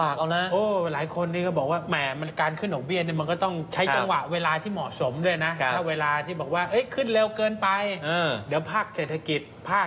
เกิดขึ้นดอกเบี้ยวายนี่ลำบากเอานะ